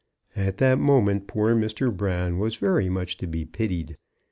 At that moment poor Mr. Brown was very much to be pitied.